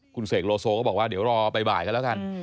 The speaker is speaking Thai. คุณเสกโลโซก็บอกว่าเดี๋ยวรอบ่ายกันแล้วกัน